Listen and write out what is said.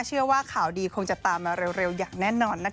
เชื่อว่าข่าวดีคงจะตามมาเร็วอย่างแน่นอนนะคะ